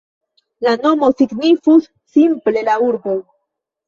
La nomo signifus simple "la urbo".